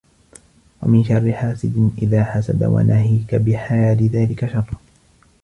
وَمِنْ شَرِّ حَاسِدٍ إذَا حَسَدَ وَنَاهِيكَ بِحَالِ ذَلِكَ شَرًّا